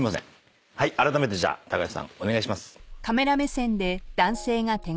あらためて橋さんお願いします。